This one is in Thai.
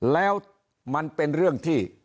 แล้วมันเป็นเรื่องที่